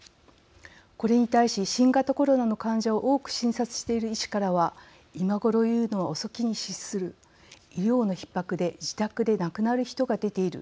これに対し新型コロナの患者を多く診察している医師からは「今頃言うのは、遅きに失する」「医療のひっ迫で自宅で亡くなる人が出ている。